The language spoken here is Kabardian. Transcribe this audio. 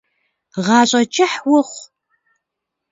Гъащӏэ кӏыхь ухъу.